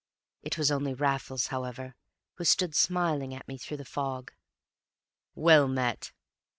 It was only Raffles, however, who stood smiling at me through the fog. "Well met!"